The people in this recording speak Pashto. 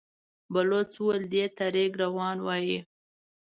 بلوڅ وويل: دې ته رېګ روان وايي.